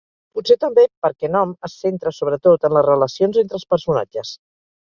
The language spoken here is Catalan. Potser també perquè "nom" es centra sobretot en les relacions entre els personatges.